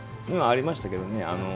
ありましたけどね。